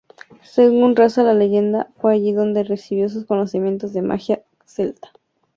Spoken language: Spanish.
Según reza la leyenda, fue allí donde recibió sus conocimientos de magia celta.